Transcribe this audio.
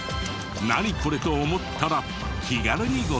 「ナニコレ？」と思ったら気軽にご投稿を。